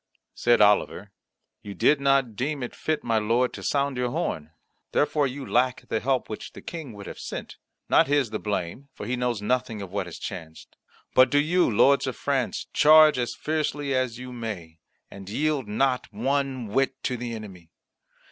Said Oliver, "You did not deem it fit, my lord, to sound your horn. Therefore you lack the help which the King would have sent. Not his the blame, for he knows nothing of what has chanced. But do you, lords of France, charge as fiercely as you may, and yield not one whit to the enemy.